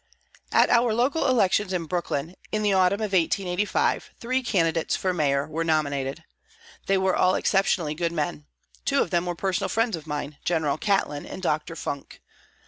At our local elections in Brooklyn, in the autumn of 1885, three candidates for mayor were nominated. They were all exceptionally good men. Two of them were personal friends of mine, General Catlin and Dr. Funk.